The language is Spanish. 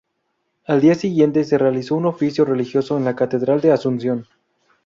Al día siguiente, se realizó un oficio religioso en la Catedral de Asunción.